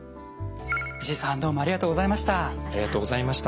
石井さんどうもありがとうございました。